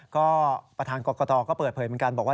ก็ประธานกรกตก็เปิดเผยเหมือนกันบอกว่า